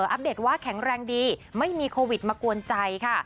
อัปเดตว่าแข็งแรงดีไม่มีโควิดมากวนใจค่ะ